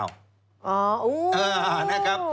อ๋อนั่นครับ